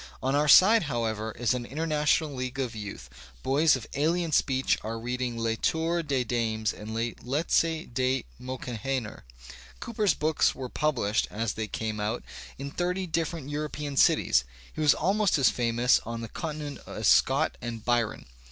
On our side, however, is an international league of youth; boys of aUen speech are reading Le Tueur des Daims and Der Letzte der Mohikaner. Cooper's books were published, as they came out, in thirty Digitized by Google COOPER S7 different European cities; he was almost as famous on the continent as Scott and Byron.